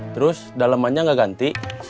terus dalemannya nggak ganti